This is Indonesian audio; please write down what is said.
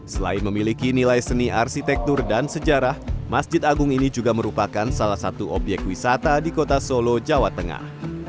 selain memiliki nilai seni arsitektur dan sejarah masjid agung ini juga merupakan salah satu obyek wisata di kota solo jawa tengah